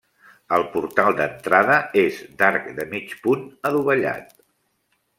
El portal d'entrada és d'arc de mig punt adovellat.